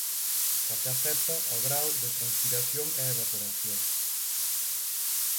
Xa que afecta ao grao de transpiración e evaporación.